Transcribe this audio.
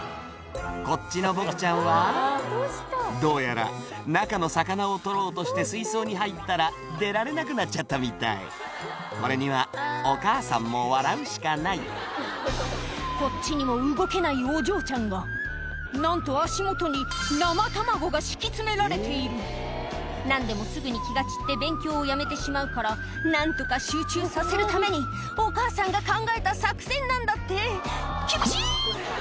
こっちのボクちゃんはどうやら中の魚を捕ろうとして水槽に入ったら出られなくなっちゃったみたいこれにはお母さんも笑うしかないこっちにも動けないお嬢ちゃんが何と足元に生卵が敷き詰められている何でもすぐに気が散って勉強をやめてしまうから何とか集中させるためにお母さんが考えた作戦なんだって厳しい！